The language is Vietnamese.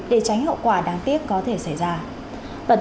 để tránh hậu quả đáng tiếc có thể xảy ra